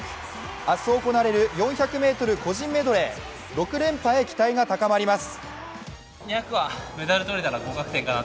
明日行われる４００ｍ個人メドレー６連覇へ期待が高まります。